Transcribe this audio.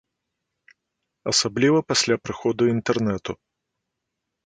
Асабліва пасля прыходу інтэрнэту.